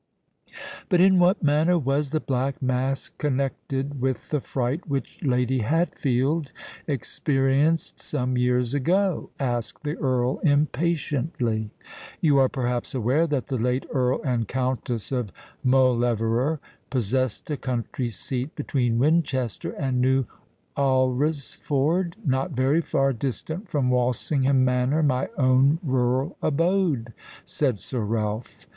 "But in what manner was the Black Mask connected with the fright which Lady Hatfield experienced some years ago?" asked the Earl impatiently. "You are perhaps aware that the late Earl and Countess of Mauleverer possessed a country seat between Winchester and New Alresford—not very far distant from Walsingham Manor, my own rural abode," said Sir Ralph.